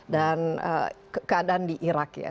dan keadaan di irak ya